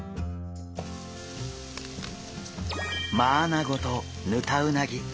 マアナゴとヌタウナギ。